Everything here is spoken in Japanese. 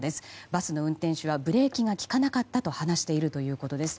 バスの運転手はブレーキが利かなかったと話しているということです。